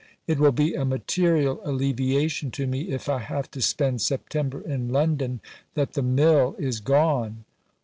It will be a material alleviation to me if I have to spend September in London that the 'mill' is gone.